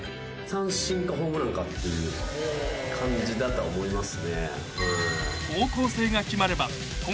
三振かホームランかっていう感じだとは思いますね。